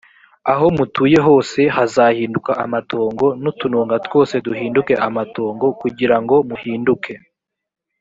ahomutuye hose haizahinduka amatongo n’utununga twose duhinduke amatongo kugira ngo muhinduke.